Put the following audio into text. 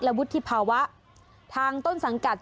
วุฒิภาวะทางต้นสังกัด